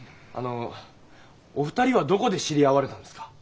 あのお二人はどこで知り合われたんですか？